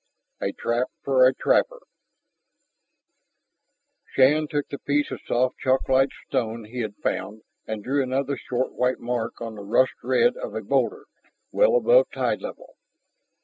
10. A TRAP FOR A TRAPPER Shann took up the piece of soft chalklike stone he had found and drew another short white mark on the rust red of a boulder well above tide level.